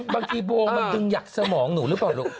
บางทีโบมันดึงหยัดสมองหนูหรือเปล่าลูก